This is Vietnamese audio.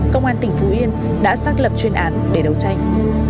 công an tỉnh phú yên đã xác lập chuyên án để đấu tranh